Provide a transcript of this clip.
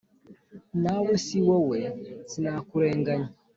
Nawe si wowe sinakurenganya